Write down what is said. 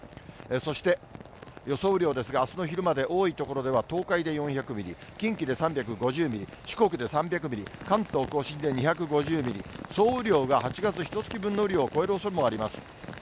そして、予想雨量ですが、あすの昼まで、多い所では東海で４００ミリ、近畿で３５０ミリ、四国で３００ミリ、関東甲信で２５０ミリ、総雨量が８月ひとつき分の雨量を超えるおそれもあります。